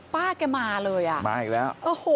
ป้าแกมาเลยอ่ะโอ้โฮมาอีกแล้ว